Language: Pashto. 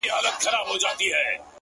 اوس بيا د ښار په ماځيگر كي جادو ـ